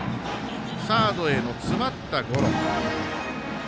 サードへの詰まったゴロ。